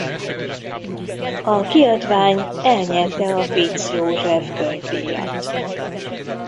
A kiadvány elnyerte a Fitz József-könyvdíjat.